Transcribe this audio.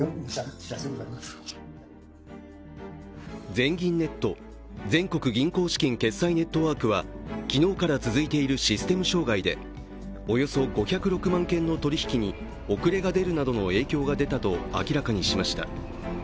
全銀ネット＝全国銀行資金決済ネットワークは昨日から続いているシステム障害でおよそ５０６万件の取引に遅れが出るなどの影響が出たと明らかにしました。